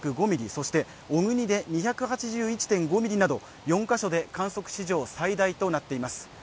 そして小国で２８１．５ミリなど４カ所で観測史上最大となっています。